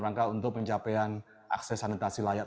rangka untuk pencapaian akses sanitasi layak